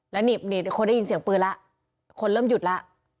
แล้วนิดคนได้ยินเสียงปืนละคนเริ่มหยุดละ